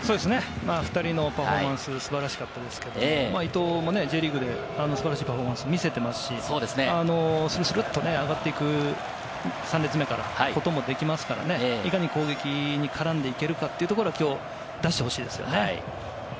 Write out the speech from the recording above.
２人のパフォーマンスは素晴らしかったですけれども、伊藤もＪリーグで素晴らしいパフォーマンスを見せていますし、スルスルっと上がっていく、３列目から行くこともできますからね、いかに攻撃に絡んでいけるかというところをきょう出してほしいですね。